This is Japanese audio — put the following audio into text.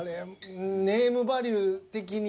ネームバリュー的に。